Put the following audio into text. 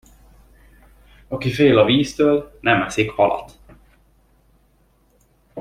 Aki fél a víztől, nem eszik halat.